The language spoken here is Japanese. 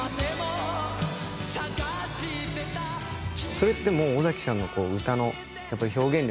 それってもう尾崎さんの歌のやっぱり表現力で。